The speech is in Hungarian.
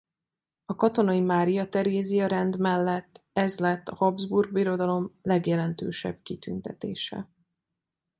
A Katonai Mária Terézia-rend mellett ez lett a Habsburg Birodalom legjelentősebb kitüntetése.